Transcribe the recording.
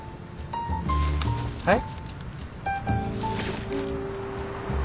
はい？